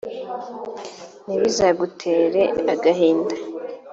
ntibizagutere agahinda;